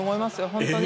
本当に。